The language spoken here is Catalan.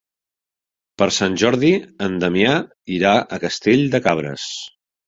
Per Sant Jordi en Damià irà a Castell de Cabres.